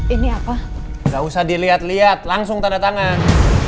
ini apa nggak usah dilihat lihat langsung tanda tangan